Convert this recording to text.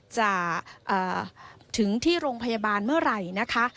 จะถึงที่โรงพยาบาลเมื่อไหร่นะคะ